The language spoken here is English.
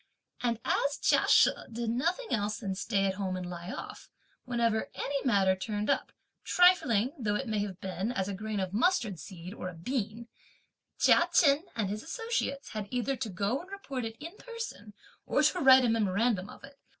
And as Chia She did nothing else than stay at home and lie off, whenever any matter turned up, trifling though it may have been as a grain of mustard seed or a bean, Chia Chen and his associates had either to go and report it in person or to write a memorandum of it.